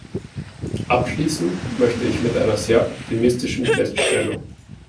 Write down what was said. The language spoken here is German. Abschließen möchte ich mit einer optimistischen Feststellung.